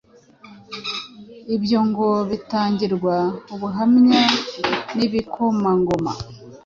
Ibyo ngo bitangirwa ubuhamya n’ibikomangoma